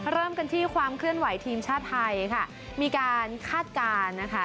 เริ่มกันที่ความเคลื่อนไหวทีมชาติไทยค่ะมีการคาดการณ์นะคะ